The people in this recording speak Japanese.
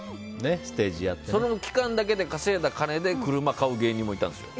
その期間に稼いだお金で車を買う芸人もいたんですよ。